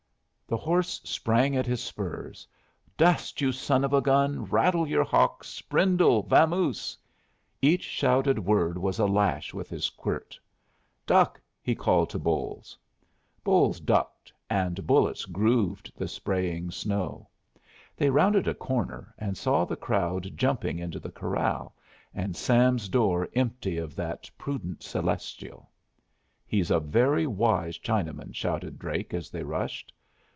The horse sprang at his spurs. "Dust, you son of a gun! Rattle your hocks! Brindle! Vamoose!" Each shouted word was a lash with his quirt. "Duck!" he called to Bolles. Bolles ducked, and bullets grooved the spraying snow. They rounded a corner and saw the crowd jumping into the corral, and Sam's door empty of that prudent Celestial. "He's a very wise Chinaman!" shouted Drake, as they rushed.